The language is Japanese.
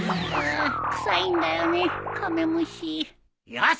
よし！